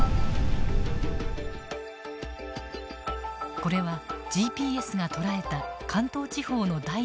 これはＧＰＳが捉えた関東地方の大地の動きです。